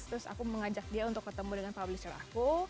terus aku mengajak dia untuk ketemu dengan publisher aku